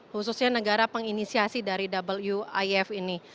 khususnya negara penginisiasi dari wf